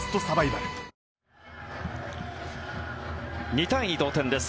２対２、同点です。